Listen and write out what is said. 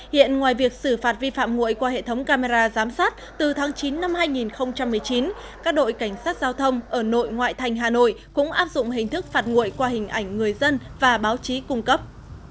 hiện ngoài việc xử phạt vi phạm nguội qua hệ thống camera giám sát từ tháng chín năm hai nghìn một mươi chín các đội cảnh sát giao thông ở nội ngoại thành hà nội cũng áp dụng hình thức phạt nguội qua hình ảnh người dân và báo chí cung cấp